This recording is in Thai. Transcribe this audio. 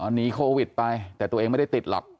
หนีโควิดไปแต่ตัวเองไม่ได้ติดหรอก